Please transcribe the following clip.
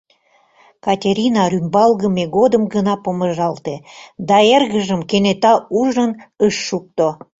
Катерина рӱмбалгыме годым гына помыжалте да эргыжым кенета ужын ыш шукто.